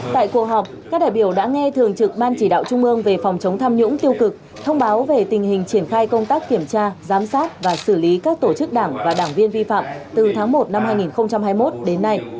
tại cuộc họp các đại biểu đã nghe thường trực ban chỉ đạo trung ương về phòng chống tham nhũng tiêu cực thông báo về tình hình triển khai công tác kiểm tra giám sát và xử lý các tổ chức đảng và đảng viên vi phạm từ tháng một năm hai nghìn hai mươi một đến nay